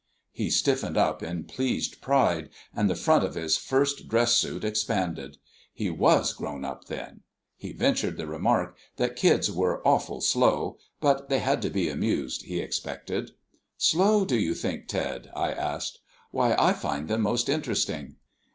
He stiffened up in pleased pride, and the front of his first dress suit expanded. He was grown up, then. He ventured the remark that kids were awful slow, but they had to be amused, he expected. "Slow, do you think, Ted?" I asked. "Why, I find them most interesting.